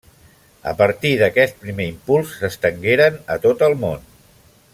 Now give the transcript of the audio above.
A partir d'aquest primer impuls, s'estengueren a tot el món.